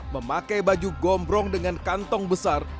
memakai baju gombrong dengan kantong besar